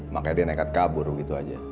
makanya dia nekat kabur gitu aja